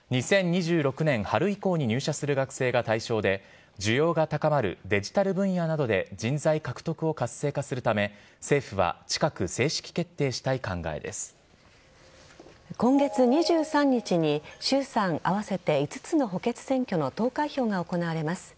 ２０２６年春以降に入社する学生が対象で需要が高まるデジタル分野などで人材獲得を活性化するため政府は近く今月２３日に衆参合わせて５つの補欠選挙の投開票が行われます。